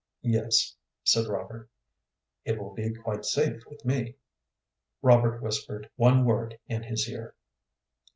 "Yes," said Robert. "It will be quite safe with me." Robert whispered one word in his ear.